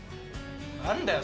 何だよ